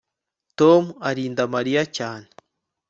Tom arinda Mariya cyane